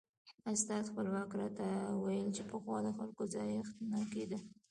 استاد خپلواک راته ویل چې پخوا د خلکو ځایښت نه کېده.